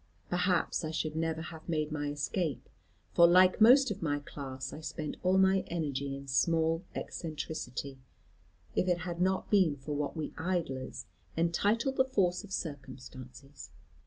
Perhaps I should never have made my escape, for like most of my class, I spent all my energy in small eccentricity, if it had not been for what we idlers entitle the force of circumstances.